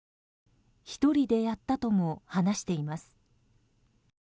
１人でやったとも話しています。